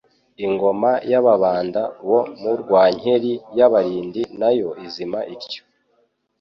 Ingoma y'Ababanda bo mu Rwankeli y'Abalindi nayo izima ityo.